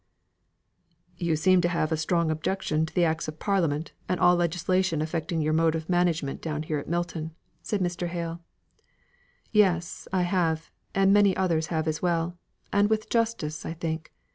"You seem to have a strong objection to acts of parliament and all legislation affecting your mode of management down here at Milton," said Mr. Hale. "Yes, I have; and many others have as well. And with justice, I think.